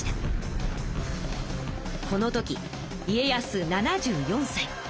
この時家康７４さい。